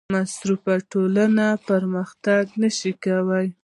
مصرفي ټولنه پرمختګ نشي کولی.